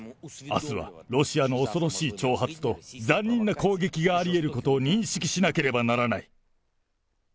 あすはロシアの恐ろしい挑発と残忍な攻撃がありえることを認識しなければならない。